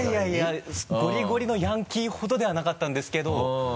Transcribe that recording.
いやいやゴリゴリのヤンキーほどではなかったんですけど。